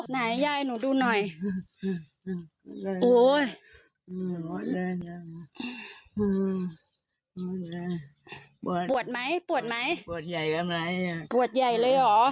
ไหนยายหนูดูหน่อยโอ้ยปวดไหมปวดไหมปวดใหญ่เลยหรอ